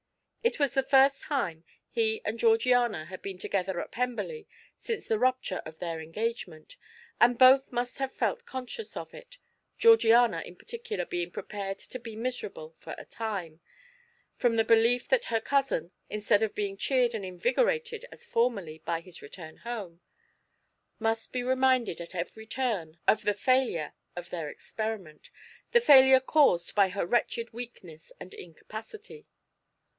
It was the first time he and Georgiana had been together at Pemberley since the rupture of their engagement, and both must have felt conscious of it, Georgiana in particular being prepared to be miserable for a time, from the belief that her cousin, instead of being cheered and invigorated as formerly by his return home, must be reminded at every turn of the failure of their experiment, the failure caused by her wretched weakness and incapacity.